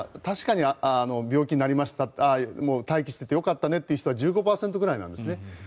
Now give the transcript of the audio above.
確かに病気になりました待機していてよかったねというのは１５％くらいなんですね。